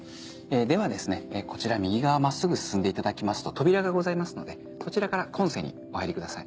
ではですねこちら右側真っすぐ進んでいただきますと扉がございますのでそちらから今世にお入りください。